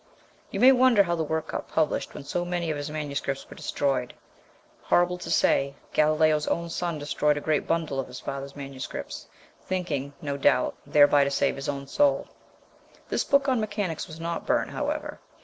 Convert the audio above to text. You may wonder how the work got published when so many of his manuscripts were destroyed. Horrible to say, Galileo's own son destroyed a great bundle of his father's manuscripts, thinking, no doubt, thereby to save his own soul. This book on mechanics was not burnt, however.